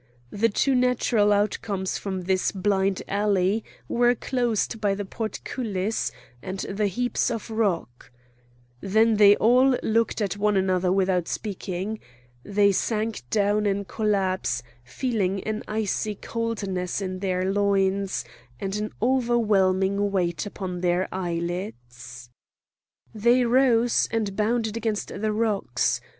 The two natural outcomes from this blind alley were closed by the portcullis and the heaps of rocks. Then they all looked at one another without speaking. They sank down in collapse, feeling an icy coldness in their loins, and an overwhelming weight upon their eyelids. They rose, and bounded against the rocks.